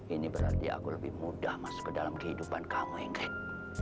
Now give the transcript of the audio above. ini berarti aku lebih mudah masuk ke dalam kehidupan kamu hengket